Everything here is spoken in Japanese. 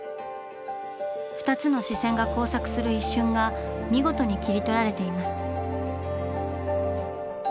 二つの視線が交錯する一瞬が見事に切り取られています。